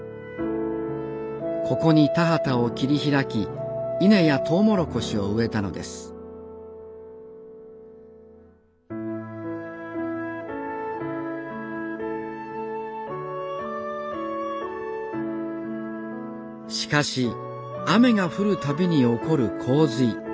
ここに田畑を切り開き稲やトウモロコシを植えたのですしかし雨が降るたびに起こる洪水。